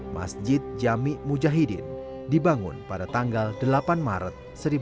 masjid jami mujahidin dibangun pada tanggal delapan maret seribu sembilan ratus empat puluh